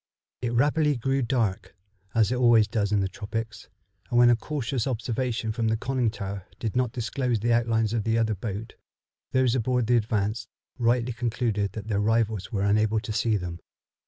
It rapidly grew dark, as it always does in the tropics, and when a cautious observation from the conning tower did not disclose the outlines of the other boat, those aboard the Advance rightly concluded that their rivals were unable to see them.